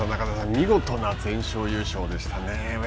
見事な全勝優勝でしたね。